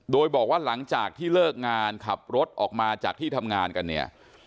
โดยบอกว่าหลังจากที่เลิกงานขับรถออกมาจากที่ทำงานกันเนี่ย